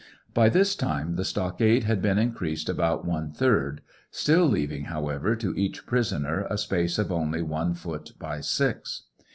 By this time the stockade had been increased about one third, still leaving, however, to each pi isoner a space of only one foot by six.